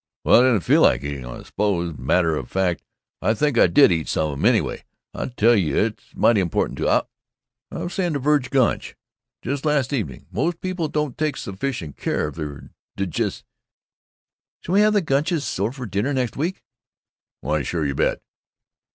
"Well, I didn't feel like eating 'em, I suppose. Matter of fact, I think I did eat some of 'em. Anyway I tell you it's mighty important to I was saying to Verg Gunch, just last evening, most people don't take sufficient care of their diges " "Shall we have the Gunches for our dinner, next week?" "Why sure; you bet."